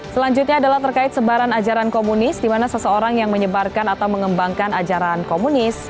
selanjutnya adalah terkait sebaran ajaran komunis di mana seseorang yang menyebarkan atau mengembangkan ajaran komunis